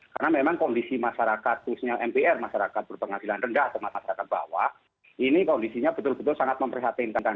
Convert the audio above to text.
karena memang kondisi masyarakat khususnya mpr masyarakat berpengadilan rendah tempat masyarakat bawah ini kondisinya betul betul sangat memprihatinkan